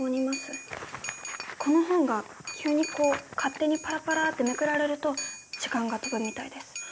この本が急にこう勝手にパラパラってめくられると時間が飛ぶみたいです。